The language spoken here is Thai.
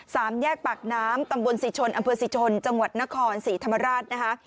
สามแยกปากน้ำตำบลศรีชนอำเภอศรีชนจังหวัดนครศรีธรรมราชนะคะ